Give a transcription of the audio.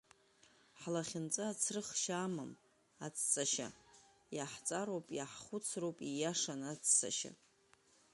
Ҳлахьынҵа ацрыхшьа амам, ацҵашьа, иаҳҵароуп, иаҳхәыцроуп, ииашан аццашьа.